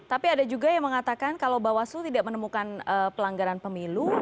tapi ada juga yang mengatakan kalau bawaslu tidak menemukan pelanggaran pemilu